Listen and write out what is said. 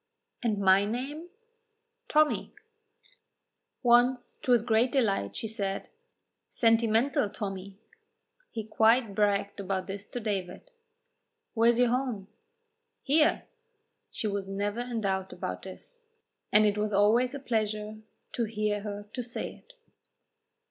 "And my name?" "Tommy." Once, to his great delight, she said, "Sentimental Tommy." He quite bragged about this to David. "Where is your home?" "Here." She was never in doubt about this, and it was always a pleasure to her to say it.